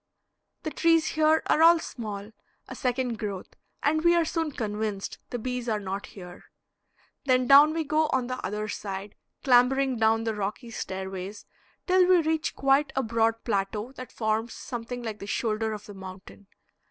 The trees here are all small, a second growth, and we are soon convinced the bees are not here. Then down we go on the other side, clambering down the rocky stairways till we reach quite a broad plateau that forms something like the shoulder of the mountain.